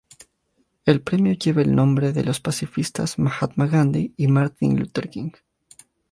El premio lleva el nombre de los pacifistas Mahatma Gandhi y Martin Luther King.